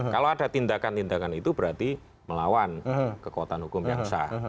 kalau ada tindakan tindakan itu berarti melawan kekuatan hukum yang sah